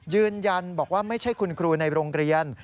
ยืนยันบอกว่าไม่ใช่คุณครูในโรงเรียน